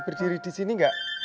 berdiri disini gak